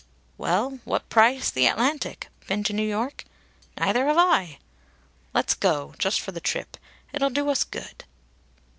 "Well what price the Atlantic? Been to New York? ... Neither have I! Let's go. Just for the trip. It'll do us good."